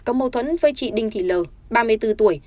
có mâu thuẫn với chị đinh thị l ba mươi bốn tuổi